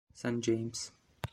Saint James